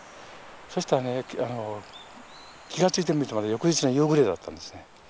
そしたらね気が付いてみると翌日の夕暮れだったんですね。